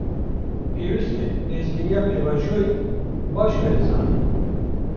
Pêwîst e lezgîniya pêvajoyê, baş were zanîn